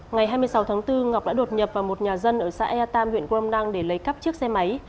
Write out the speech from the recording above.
ngày hai mươi sáu tháng bốn ngọc đã đột nhập vào một nhà dân ở xã ea tam huyện grom năng để lấy cắp chiếc xe máy